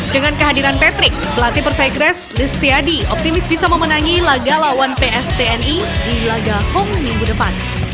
dengan kehadiran patrick pelatih persegres listiadi optimis bisa memenangi laga lawan pstni di laga hong minggu depan